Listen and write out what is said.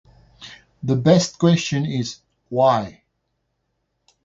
"The best question is, ""Why?"""